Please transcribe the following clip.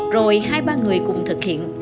rồi hai ba người cùng thực hiện